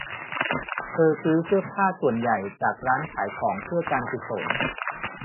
เธอซื้อเสื้อผ้าส่วนใหญ่จากร้านขายของเพื่อการกุศล